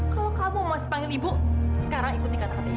kalau kamu masih panggil ibu sekarang ikuti kata katanya